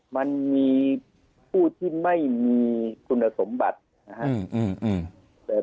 มันมีผู้ที่ไม่มีคุณสมบัตินะครับ